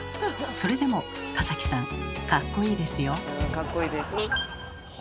それでも田崎さんかっこいいですよ。